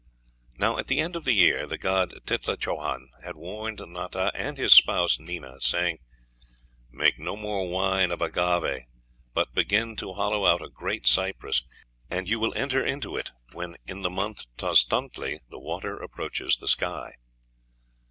"Now at the end of the year the god Titlacahuan had warned Nata and his spouse Nena, saying, 'Make no more wine of Agave, but begin to hollow out a great cypress, and you will enter into it when in the month Tozontli the water approaches the sky.'